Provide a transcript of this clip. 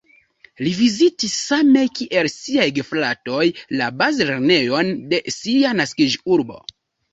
Li vizitis same kiel siaj gefratoj la bazlernejon de sia naskiĝurbo.